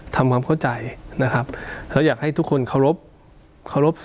ทำความเข้าใจนะครับแล้วอยากให้ทุกคนเคารพเคารพ